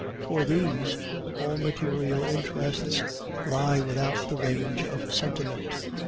For these, all material interests lie without the range of sentiment.